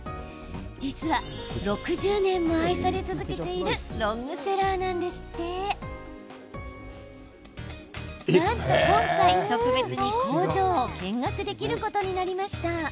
実は、６０年も愛され続けているロングセラーなんですって。なんと今回、特別に工場を見学できることになりました。